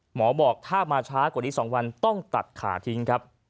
หมอบอกถ้ามาช้ากว่านี้๒วันต้องตัดขาทิ้งครับ